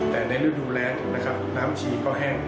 แต่ในฤดูแลน้ำชีก็แห้ง